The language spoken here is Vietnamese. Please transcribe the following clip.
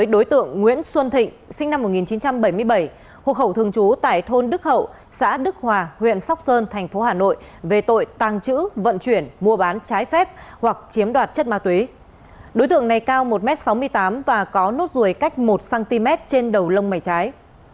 đối tượng này cao một m sáu mươi tám và có nốt ruồi cách một cm trên đầu lông mảy trái